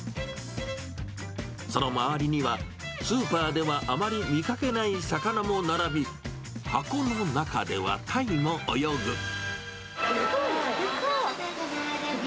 その周りには、スーパーではあまり見かけない魚も並び、箱の中ではタイも泳ぐ。